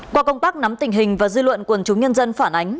qua công tác nắm tình hình và dư luận quần chúng nhân dân phản ánh